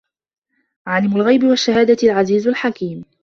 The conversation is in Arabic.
عالِمُ الغَيبِ وَالشَّهادَةِ العَزيزُ الحَكيمُ